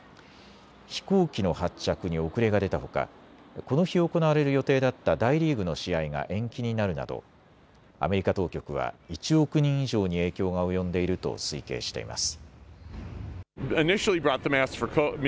飛行機の発着に遅れが出たほかこの日行われる予定だった大リーグの試合が延期になるなどアメリカ当局は１億人以上に影響が及んでいると推計しています。